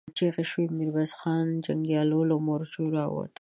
چيغې شوې، د ميرويس خان جنګيالي له مورچو را ووتل.